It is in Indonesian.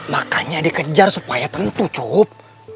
makanya dikejar supaya tentu cukup